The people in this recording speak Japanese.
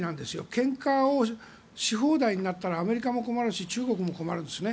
けんかをし放題になったらアメリカも困るし中国も困るんです。